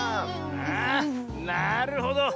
あなるほど。